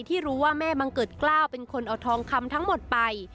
ที่รู้ว่าแม่บังเกิดกล้าวเป็นคนเอาทองคำทั้งหมดไป